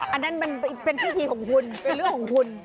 อันนั้นมันเป็นพิธีของคุณเป็นเรื่องของคุณ